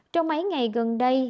trong mấy ngày gần đây